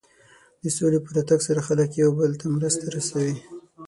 د سولې په راتګ سره خلک یو بل ته مرستې رسوي.